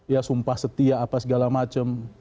ya sumpah setia apa segala macam